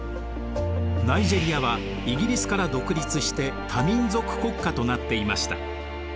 ナイジェリアはイギリスから独立して多民族国家となっていました。